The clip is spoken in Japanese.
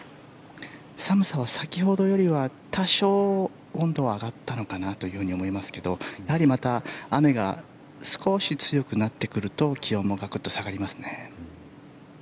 寒さは先ほどよりは多少温度は上がったのかなと思いますけどやはりまた雨が少し強くなってくると気温もガクッと下がりますね。